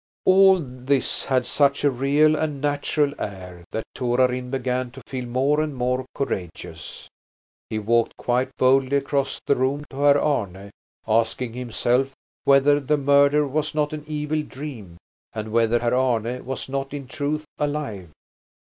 All this had such a real and natural air that Torarin began to feel more and more courageous. He walked quite boldly across the room to Herr Arne, asking himself whether the murder was not an evil dream and whether Herr Arne was not in truth alive.